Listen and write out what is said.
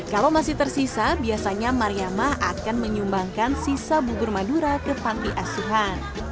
kalau masih tersisa biasanya mariama akan menyumbangkan sisa bubur madura ke panti asuhan